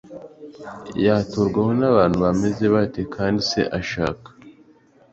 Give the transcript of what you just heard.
Yaturwaho n abantu bameze bate kandi se ashaka